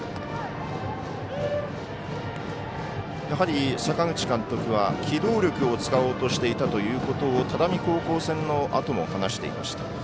やはり、阪口監督は機動力を使おうとしていたということを只見高校戦のあとも話していました。